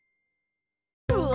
うわ！